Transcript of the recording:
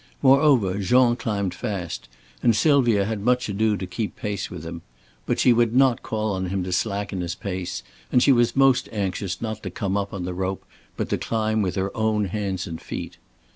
Moreover, Jean climbed fast and Sylvia had much ado to keep pace with him. But she would not call on him to slacken his pace, and she was most anxious not to come up on the rope but to climb with her own hands and feet.